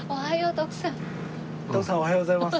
徳さんおはようございます。